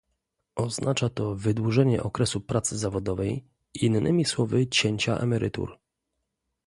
Oznacza to wydłużenie okresu pracy zawodowej, innymi słowy cięcia emerytur